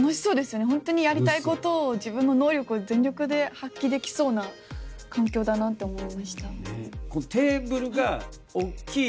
ホントにやりたいことを自分の能力を全力で発揮できそうな環境だなって思いました。